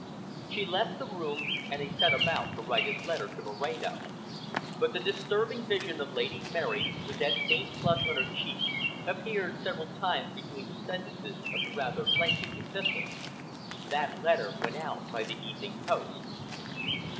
She left the room, and he set about to write his letter to Moreno. But the disturbing vision of Lady Mary, with that faint flush on her cheek, appeared several times between the sentences of the rather lengthy epistle. That letter went out by the evening post.